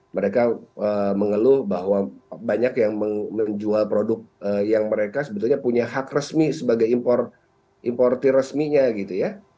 mereka mengeluh bahwa banyak yang menjual produk yang mereka sebetulnya punya hak resmi sebagai importer resminya gitu ya